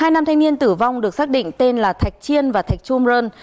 hai nam thanh niên tử vong được xác định tên là thạch chiên và thạch trung rơn